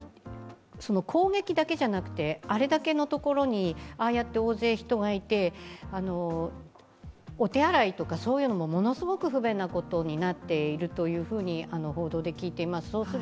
私、製鉄所にいる女性や子供たちが、本当に攻撃だけじゃなくて、あれだけのところにああやって大勢人がいて、お手洗いとか、そういうのもものすごく不便になっていると報道で聞いています。